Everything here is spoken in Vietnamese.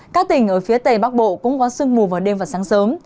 các tỉnh ở phía tây bắc bộ cũng có sương mù vào đêm và sáng sớm